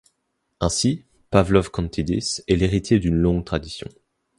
Ainsi Pávlos Kontídis est l'héritier d'une longue tradition.